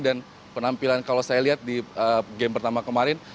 dan penampilan kalau saya lihat di game pertama kemarin